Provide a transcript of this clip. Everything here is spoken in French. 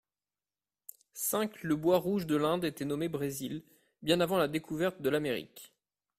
cinq Le bois rouge de l'Inde était nommé brésil, bien avant la découverte de l'Amérique.